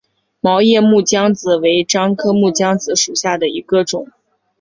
毛叶木姜子为樟科木姜子属下的一个种。